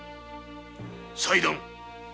裁断！